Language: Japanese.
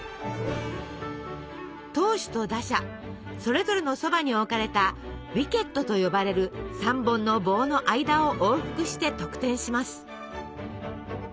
投手と打者それぞれのそばに置かれた「ウィケット」と呼ばれる３本の棒の間を往復して得点します。